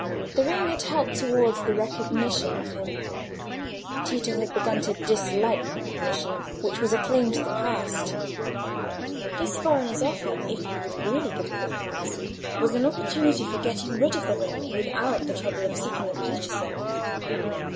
The ring had helped towards the recognition of him. Tito had begun to dislike recognition, which was a claim from the past. This foreigner's offer, if he would really give a good price, was an opportunity for getting rid of the ring without the trouble of seeking a purchaser.